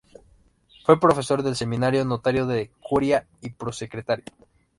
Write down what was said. Fue profesor del Seminario, notario de la Curia y prosecretario.